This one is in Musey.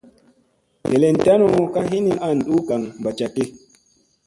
Delen tanu ka hinin a an duu gagaŋ mbaa jakki.